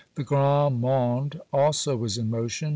The grande monde also was in motion.